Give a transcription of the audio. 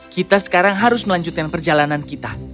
kita sekarang harus melanjutkan perjalanan kita